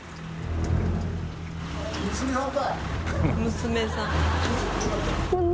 「娘さん」